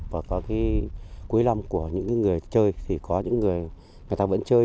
và có cái cuối năm của những người chơi thì có những người người ta vẫn chơi